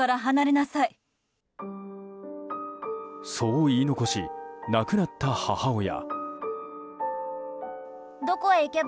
そう言い残し亡くなった母親。